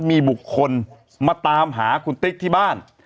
มีบุคคลมาตามหาคุณติ๊กที่บ้าน